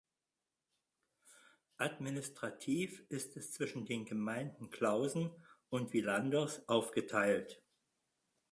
Administrativ ist es zwischen den Gemeinden Klausen und Villanders aufgeteilt.